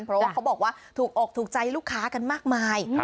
เพราะว่าเขาบอกว่าถูกอกถูกใจลูกค้ากันมากมาย